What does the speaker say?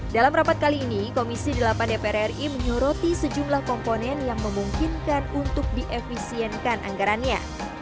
dalam rapat kali ini komisi delapan dpr ri menyoroti sejumlah komponen yang memungkinkan untuk diefisienkan anggarannya